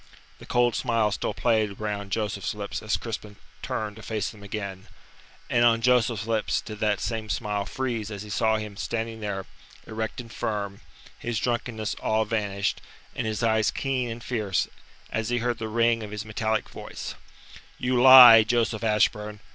The cold smile still played round Joseph's lips as Crispin turned to face them again, and on Joseph's lips did that same smile freeze as he saw him standing there, erect and firm, his drunkenness all vanished, and his eyes keen and fierce; as he heard the ring of his metallic voice: "You lie, Joseph Ashburn.